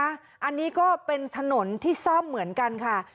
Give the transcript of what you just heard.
อันนี้ก็เป็นถนนที่ซ่อมเหมือนกันค่ะ